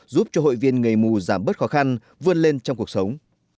giúp cho hội viên người mù giảm bớt khó khăn vươn lên trong cuộc sống